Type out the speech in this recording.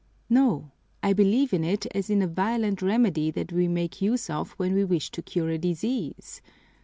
"No, I believe in it as in a violent remedy that we make use of when we wish to cure a disease.